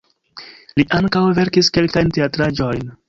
Li ankaŭ verkis kelkajn teatraĵojn.